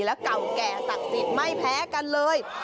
และเก่าแก่ศักดิ์สิทธิ์ไม่แพ้กันเลย